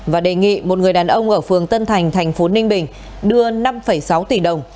và đề nghị một người đàn ông ở phường tân thành thành phố ninh bình đưa năm sáu tỷ đồng